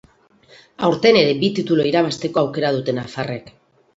Aurten ere bi titulu irabazteko aukera dute nafarrek.